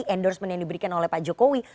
endorsement yang diberikan oleh pak jokowi